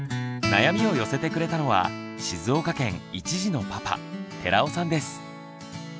悩みを寄せてくれたのは静岡県１児のパパ寺尾さんです。